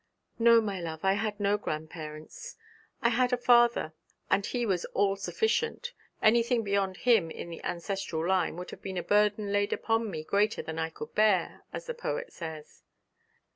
'No, my love, I had no grandparents. I had a father, and he was all sufficient anything beyond him in the ancestral line would have been a burden laid upon me greater than I could bear, as the poet says.'